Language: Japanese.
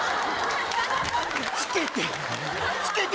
つけて。